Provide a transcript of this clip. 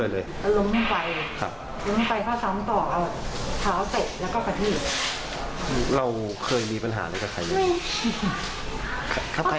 ไม่ได้พูดอะไรเลย